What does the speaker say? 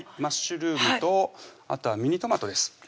マッシュルームとあとはミニトマトです